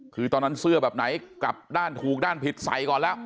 คือตอนนั้นเสื้อแบบไหนกลับด้านถูกด้านผิดใส่ก่อนแล้ว